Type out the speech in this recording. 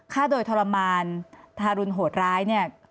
ฆ่าโดยทรมานทารุณโหดร้าย